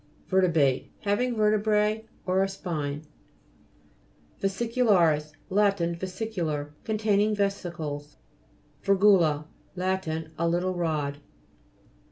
VER'TETBATE Having vertebrae, or a spine. VESICULA'RIS Lat. Vesicular ; con taining vesicles. VI'RGULA Lat. A little rod.